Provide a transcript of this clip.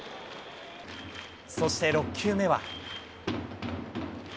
そして６球目は。